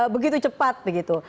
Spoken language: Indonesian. begitu cepat begitu